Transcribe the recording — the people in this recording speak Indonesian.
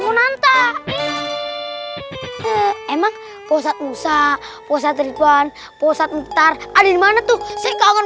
kunanta emang posat musa posat ridwan posat muntar ada dimana tuh saya kangen